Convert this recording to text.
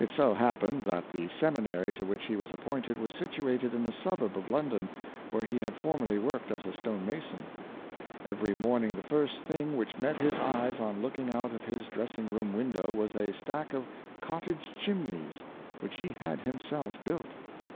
It so happened, that the seminary to which he was appointed was situated in a suburb of London where he had formerly worked as a stonemason ; every morning the first thing which met his eyes, on looking out of his dressing room window was a stack Sir Samuel Romilly. 321 of cottage chimne3^s which he had himself built!